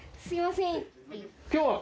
すいません。